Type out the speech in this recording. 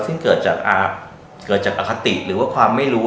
ซึ่งเกิดจากเกิดจากอคติหรือว่าความไม่รู้